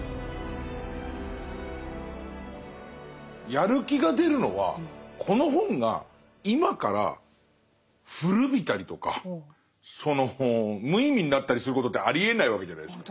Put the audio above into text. やる気が出るのはこの本が今から古びたりとかその無意味になったりすることってありえないわけじゃないですか。